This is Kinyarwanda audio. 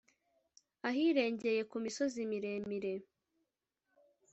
ahirengeye ku misozi miremire